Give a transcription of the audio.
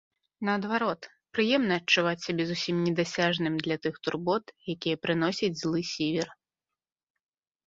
Наадварот, прыемна адчуваць сябе зусім недасяжным для тых турбот, якія прыносіць злы сівер.